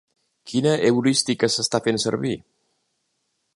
Quina heurística s'està fent servir?